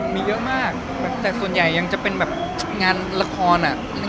เพราะว่างานที่ได้ขอวางไปกับส่วนเข้าที่จัง